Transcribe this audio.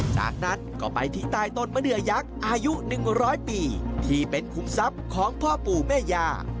จากนั้นก็ไปที่ใต้ต้นมะเดือยักษ์อายุ๑๐๐ปีที่เป็นคุมทรัพย์ของพ่อปู่แม่ยา